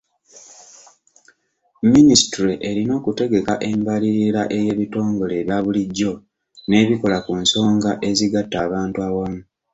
Minisitule erina okutegeka embalirira ey'ebitongole ebyabulijjo n'ebikola ku nsonga ezigatta abantu awamu.